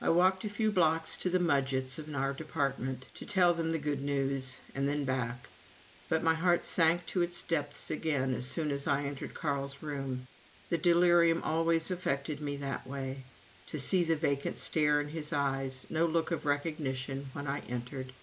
I walked a few blocks to the Mudgetts' in our department, to tell them the good news, and then back; but my heart sank to its depths again as soon as I entered Carl's room. The delirium always affected me that way: to see the vacant stare in his eyes no look of recognition when I entered.